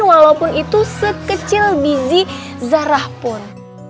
walaupun itu sekecil gizi zarah pun